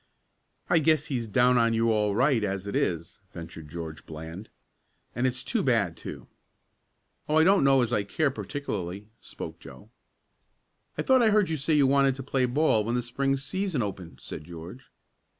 "I guess he's down on you all right as it is," ventured George Bland. "And it's too bad, too." "Oh, I don't know as I care particularly," spoke Joe. "I thought I heard you say you wanted to play ball when the Spring season opened," said George.